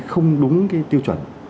không đúng tiêu chuẩn